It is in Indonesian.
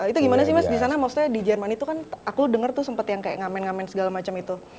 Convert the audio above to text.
itu gimana sih mas di sana maksudnya di jerman itu kan aku denger tuh sempet yang kayak ngamen ngamen segala macam itu